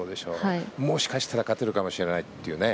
もしかしたら勝てるかもしれないというね。